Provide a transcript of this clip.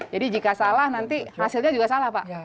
jadi jika salah nanti hasilnya juga salah pak